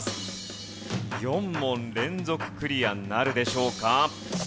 ４問連続クリアなるでしょうか？